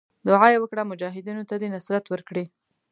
دعا یې وکړه مجاهدینو ته دې نصرت ورکړي.